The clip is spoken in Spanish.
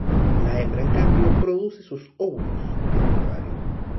La hembra, en cambio, produce sus óvulos en un ovario.